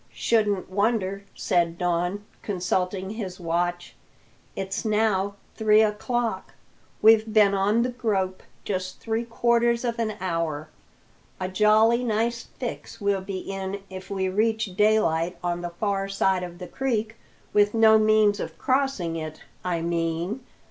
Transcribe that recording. "Shouldn't wonder," said Don, consulting his watch. "It's now three o'clock; we've been on the grope just three quarters of an hour. A jolly nice fix we'll be in if we reach daylight on the far side of the creek with no means of crossing it, I mean.